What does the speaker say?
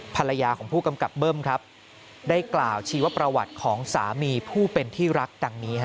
ภรรยาของผู้กำกับเบิ้มครับได้กล่าวชีวประวัติของสามีผู้เป็นที่รักดังนี้